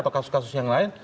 atau kasus kasus yang lain